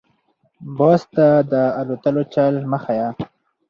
- باز ته دالوتلو چل مه ښیه.